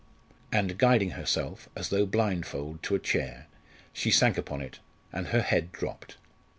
And guiding herself, as though blindfold, to a chair, she sank upon it, and her head dropped.